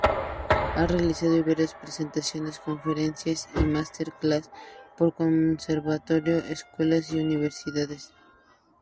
Ha realizado varias presentaciones, conferencias y master class por conservatorios, escuelas y universidades.